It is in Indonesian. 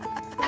kasian deh lo